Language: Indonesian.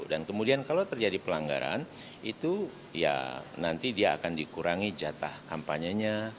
dan kemudian kalau terjadi pelanggaran itu ya nanti dia akan dikurangi jatah kampanye nya